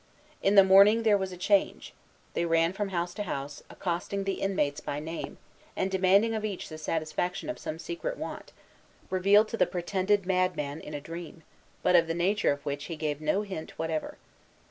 In the morning there was a change. They ran from house to house, accosting the inmates by name, and demanding of each the satisfaction of some secret want, revealed to the pretended madman in a dream, but of the nature of which he gave no hint whatever.